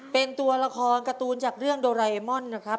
เป็นตัวละครการ์ตูนจากเรื่องโดไรมเอมอนนะครับ